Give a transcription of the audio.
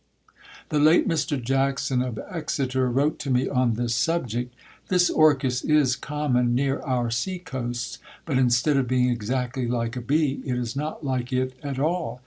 The late Mr. Jackson, of Exeter, wrote to me on this subject: "This orchis is common near our sea coasts; but instead of being exactly like a BEE, it is not like it at all.